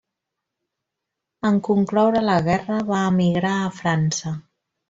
En concloure la guerra va emigrar a França.